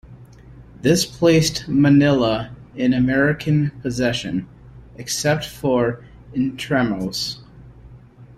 This placed Manila in American possession, except for Intramuros.